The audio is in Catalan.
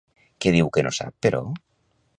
Què diu que no sap, però?